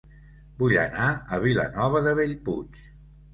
Vull anar a Vilanova de Bellpuig